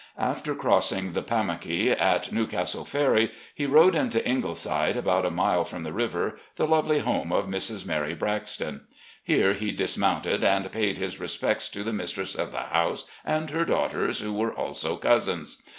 After crossing the Pamtmkey at Newcastle ferry, he rode into "Ingleside," about a mile from the river, the lovely home of Mrs. Mary Braxton. Here he dismounted and paid his respects to the mistress of the house and her daughters, who were also cousins.